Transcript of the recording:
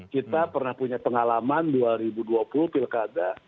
kita pernah punya pengalaman dua ribu dua puluh pilkada